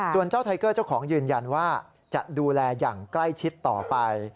ส่วนเจ้าไทเกอร์เจ้าของยืนยันว่าจะดูแลอย่างใกล้ชิดต่อไป